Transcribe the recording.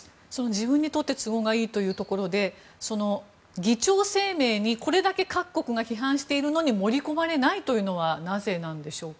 自分にとって都合がいいというところで議長声明にこれだけ各国が批判しているのに盛り込まれないのはなぜなんでしょうか。